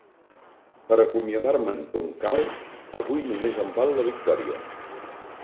Per acomiadar-me'n com cal, avui només em val la victòria!